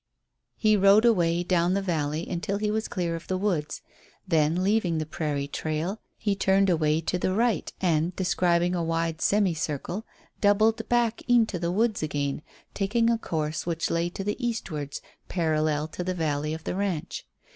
He rode away down the valley until he was clear of the woods; then, leaving the prairie trail, he turned away to the right, and, describing a wide semi circle, doubled back into the woods again, taking a course which lay to the eastwards, parallel to the valley of the ranch.